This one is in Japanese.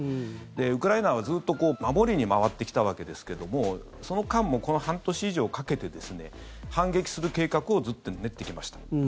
ウクライナはずっと守りに回ってきたわけですけどもその間もこの半年以上かけてですね反撃する計画をずっと練ってきました。